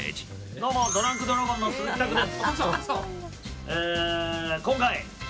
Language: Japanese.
どうもドランクドラゴンの鈴木拓です。